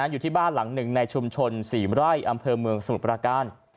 อยู่ที่บ้านหลังหนึ่งในชุมชน๔ไร่อำเภอเมืองสมุทรประการ